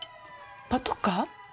パトカー？